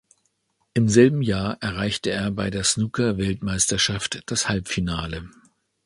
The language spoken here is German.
Im selben Jahr erreichte er bei der Snookerweltmeisterschaft das Halbfinale.